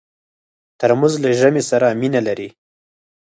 ترموز له ژمي سره مینه لري.